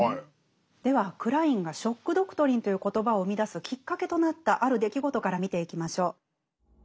ではクラインが「ショック・ドクトリン」という言葉を生み出すきっかけとなったある出来事から見ていきましょう。